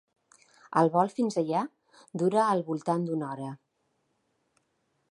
El vol fins allà dura al voltant d'una hora.